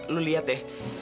lo lihat ya